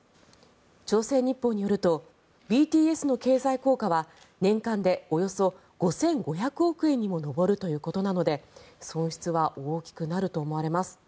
朝鮮日報によるとＢＴＳの経済効果は年間でおよそ５５００億円にも上るということなので損失は大きくなると思われます。